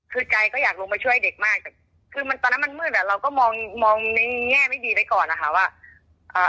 คือใจก็อยากลงมาช่วยเด็กมากแต่คือตอนนั้นมันมืดแล้วเราก็มองแง่ไม่ดีเลยก่อนอะค่ะว่า